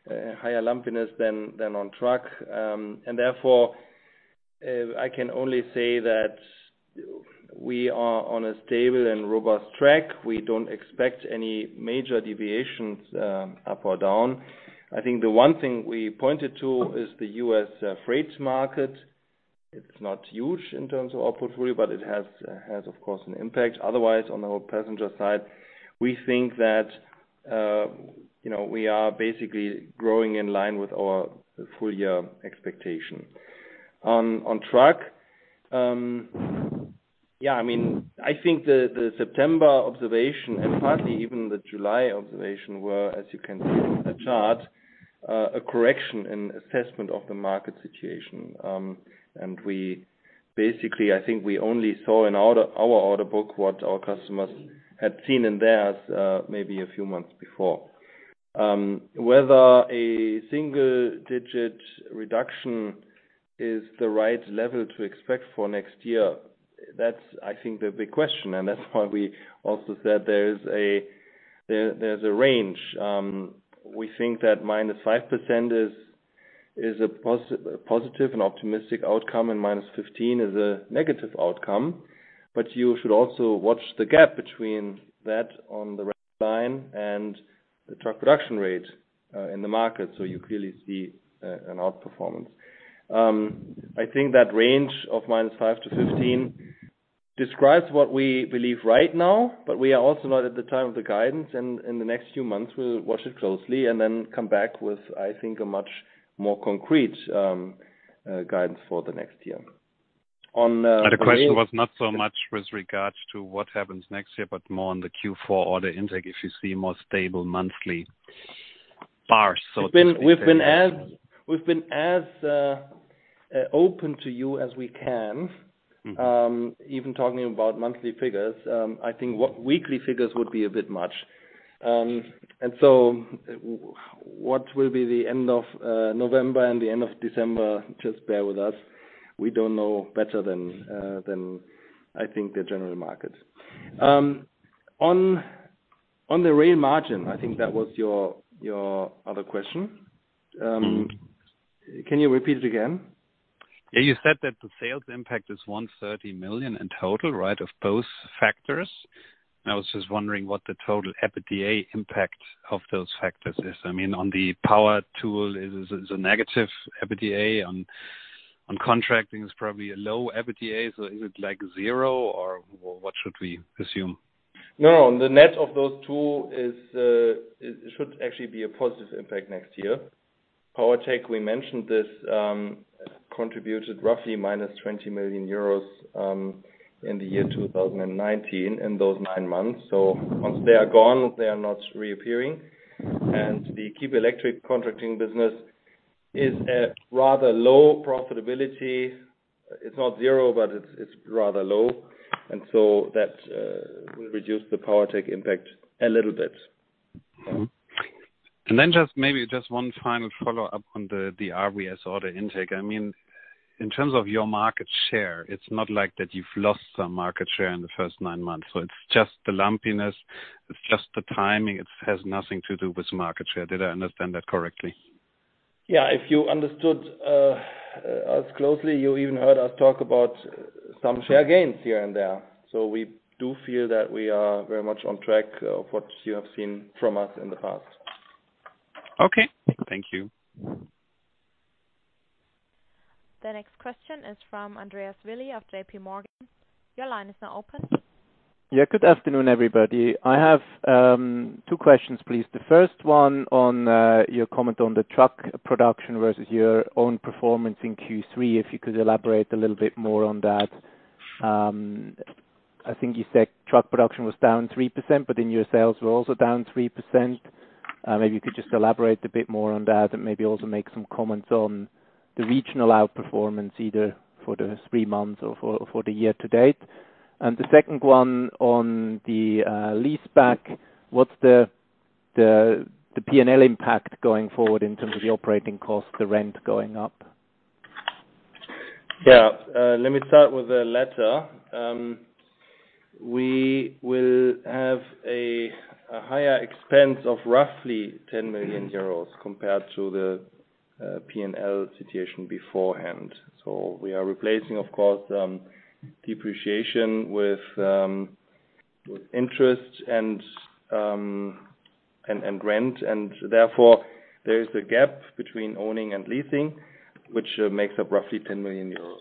higher lumpiness than on truck. Therefore, I can only say that we are on a stable and robust track. We don't expect any major deviations up or down. I think the one thing we pointed to is the U.S. freight market. It's not huge in terms of output for you, but it has, of course, an impact. Otherwise, on the whole passenger side, we think that we are basically growing in line with our full year expectation. On truck, I think the September observation and partly even the July observation were, as you can see in the chart, a correction and assessment of the market situation. Basically, I think we only saw in our order book what our customers had seen in theirs maybe a few months before. Whether a single-digit reduction is the right level to expect for next year, that's I think the big question, and that's why we also said there's a range. We think that -5% is a positive and optimistic outcome, and -15% is a negative outcome. You should also watch the gap between that on the red line and the truck production rate. In the market, you clearly see an outperformance. I think that range of 5% to 15% describes what we believe right now, we are also not at the time of the guidance, in the next few months we'll watch it closely and then come back with, I think, a much more concrete guidance for the next year. The question was not so much with regards to what happens next year, but more on the Q4 order intake if you see more stable monthly bars. So to say. We've been as open to you as we can. Even talking about monthly figures. I think weekly figures would be a bit much. What will be the end of November and the end of December, just bear with us. We don't know better than I think the general market. On the rail margin, I think that was your other question. Can you repeat it again? Yeah. You said that the sales impact is 130 million in total, right, of both factors. I was just wondering what the total EBITDA impact of those factors is. On the Powertech is a negative EBITDA. On contracting is probably a low EBITDA. Is it zero, or what should we assume? The net of those two should actually be a positive impact next year. Powertech, we mentioned this, contributed roughly minus 20 million euros in the year 2019 in those nine months. Once they are gone, they are not reappearing. The Kiepe Electric contracting business is a rather low profitability. It's not zero, but it's rather low. That will reduce the Powertech impact a little bit. Maybe just one final follow-up on the RVS order intake. In terms of your market share, it's not like that you've lost some market share in the first nine months. It's just the lumpiness, it's just the timing. It has nothing to do with market share. Did I understand that correctly? Yeah. If you understood us closely, you even heard us talk about some share gains here and there. We do feel that we are very much on track of what you have seen from us in the past. Okay. Thank you. The next question is from Andreas Willi of JP Morgan. Your line is now open. Yeah. Good afternoon, everybody. I have two questions, please. The first one on your comment on the truck production versus your own performance in Q3, if you could elaborate a little bit more on that. I think you said truck production was down 3%. Your sales were also down 3%. Maybe you could just elaborate a bit more on that and maybe also make some comments on the regional outperformance, either for the three months or for the year to date. The second one on the lease-back. What's the P&L impact going forward in terms of the operating cost, the rent going up? Let me start with the latter. We will have a higher expense of roughly 10 million euros compared to the P&L situation beforehand. We are replacing, of course, depreciation with interest and rent. Therefore, there is a gap between owning and leasing, which makes up roughly 10 million euros.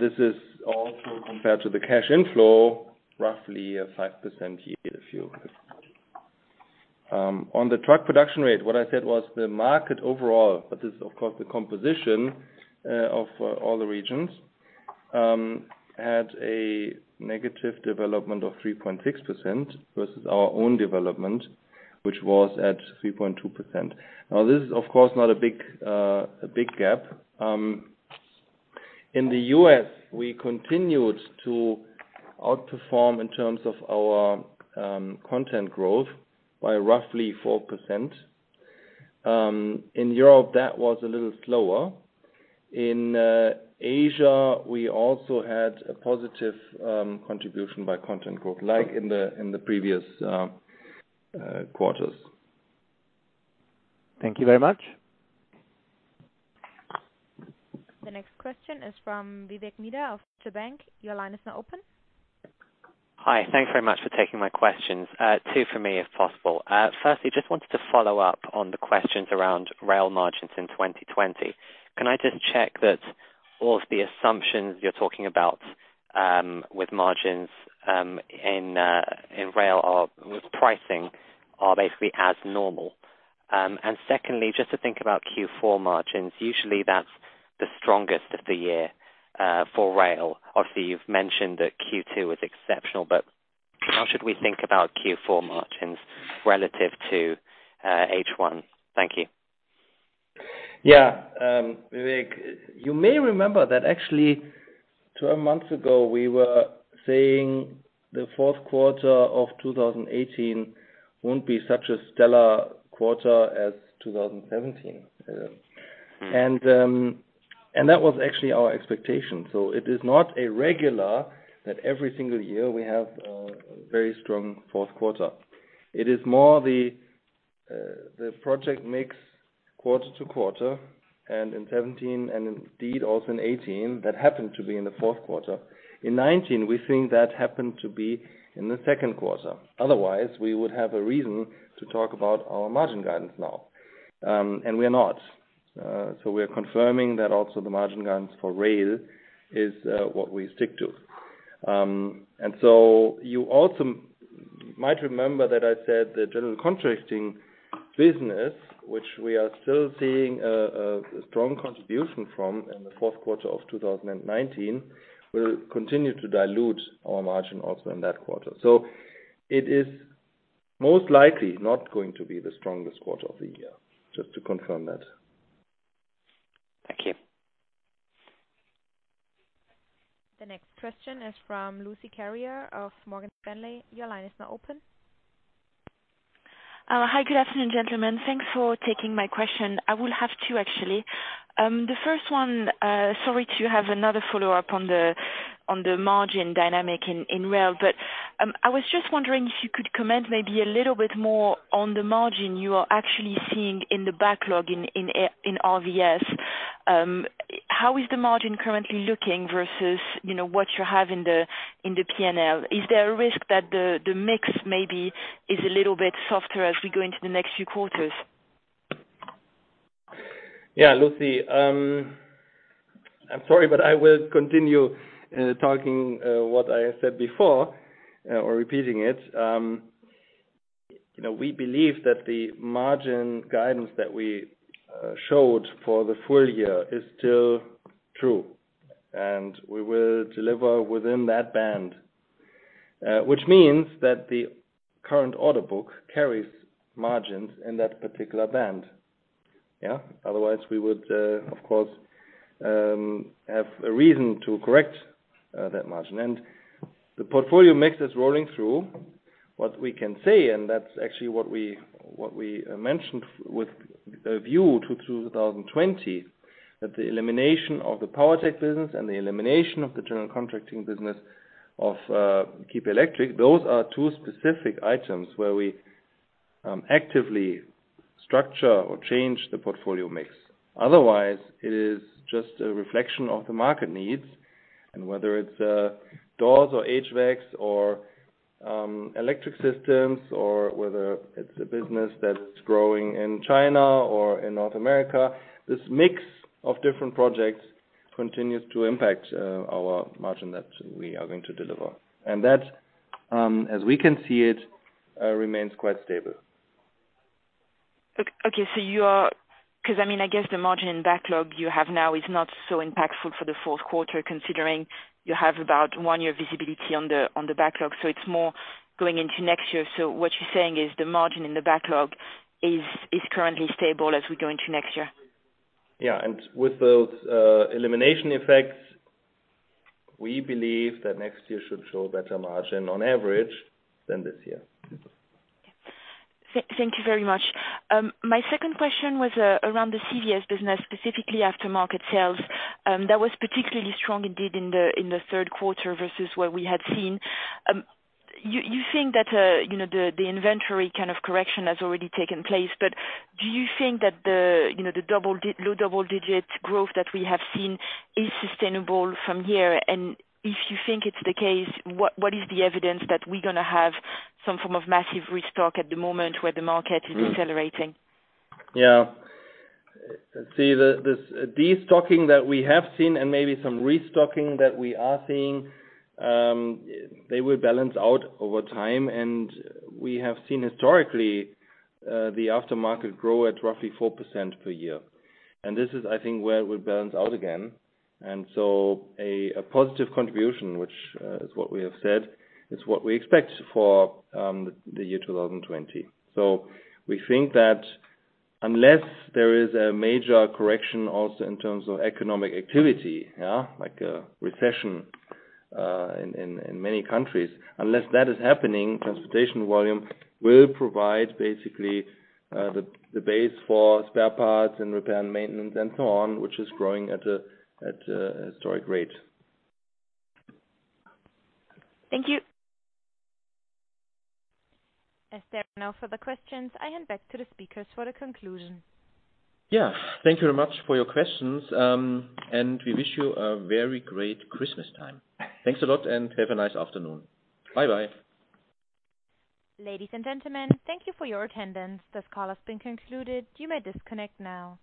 This is also compared to the cash inflow, roughly 5% year-over-year. On the truck production rate, what I said was the market overall, but this is, of course, the composition of all the regions, had a negative development of 3.6% versus our own development, which was at 3.2%. This is, of course, not a big gap. In the U.S., we continued to outperform in terms of our content growth by roughly 4%. In Europe, that was a little slower. In Asia, we also had a positive contribution by content growth, like in the previous quarters. Thank you very much. The next question is from Vivek Midha of Deutsche Bank. Your line is now open. Hi. Thanks very much for taking my questions. Two for me, if possible. Firstly, just wanted to follow up on the questions around rail margins in 2020. Can I just check that all of the assumptions you're talking about with margins in rail are with pricing are basically as normal? Secondly, just to think about Q4 margins. Usually that's the strongest of the year for rail. Obviously, you've mentioned that Q2 was exceptional, but how should we think about Q4 margins relative to H1? Thank you. Yeah. Vivek, you may remember that actually 12 months ago, we were saying the fourth quarter of 2018 won't be such a stellar quarter as 2017. That was actually our expectation. It is not a regular that every single year we have a very strong fourth quarter. It is more the project mix. Quarter to quarter, and in 2017, and indeed also in 2018, that happened to be in the fourth quarter. In 2019, we think that happened to be in the second quarter. Otherwise, we would have a reason to talk about our margin guidance now, and we're not. We are confirming that also the margin guidance for rail is what we stick to. You also might remember that I said the general contracting business, which we are still seeing a strong contribution from in the fourth quarter of 2019, will continue to dilute our margin also in that quarter. It is most likely not going to be the strongest quarter of the year, just to confirm that. Thank you. The next question is from Lucie Carrier of Morgan Stanley. Your line is now open. Hi. Good afternoon, gentlemen. Thanks for taking my question. I will have two, actually. The first one, sorry to have another follow-up on the margin dynamic in rail, I was just wondering if you could comment maybe a little bit more on the margin you are actually seeing in the backlog in RVS. How is the margin currently looking versus what you have in the P&L? Is there a risk that the mix maybe is a little bit softer as we go into the next few quarters? Yeah, Lucie. I'm sorry, but I will continue talking what I said before, or repeating it. We believe that the margin guidance that we showed for the full year is still true, and we will deliver within that band, which means that the current order book carries margins in that particular band. Yeah. Otherwise, we would, of course, have a reason to correct that margin. The portfolio mix is rolling through. What we can say, and that's actually what we mentioned with a view to 2020, that the elimination of the Powertech business and the elimination of the general contracting business of Kiepe Electric, those are two specific items where we actively structure or change the portfolio mix. Otherwise, it is just a reflection of the market needs, whether it's doors or HVACs or electric systems, or whether it's a business that's growing in China or in North America, this mix of different projects continues to impact our margin that we are going to deliver. That, as we can see it, remains quite stable. Okay. I guess the margin backlog you have now is not so impactful for the fourth quarter, considering you have about one year visibility on the backlog, so it's more going into next year. What you're saying is the margin in the backlog is currently stable as we go into next year. With those elimination effects, we believe that next year should show a better margin on average than this year. Thank you very much. My second question was around the CVS business, specifically aftermarket sales. That was particularly strong indeed in the third quarter versus what we had seen. You think that the inventory kind of correction has already taken place, but do you think that the low double-digit growth that we have seen is sustainable from here? If you think it's the case, what is the evidence that we're going to have some form of massive restock at the moment where the market is decelerating? Yeah. See, the de-stocking that we have seen and maybe some restocking that we are seeing, they will balance out over time, and we have seen historically, the aftermarket grow at roughly 4% per year. This is, I think, where it will balance out again. A positive contribution, which is what we have said, is what we expect for the year 2020. We think that unless there is a major correction also in terms of economic activity, like a recession in many countries, unless that is happening, transportation volume will provide basically the base for spare parts and repair and maintenance and so on, which is growing at a historic rate. Thank you. As there are no further questions, I hand back to the speakers for the conclusion. Thank you very much for your questions, and we wish you a very great Christmas time. Thanks a lot, and have a nice afternoon. Bye-bye. Ladies and gentlemen, thank you for your attendance. This call has been concluded. You may disconnect now.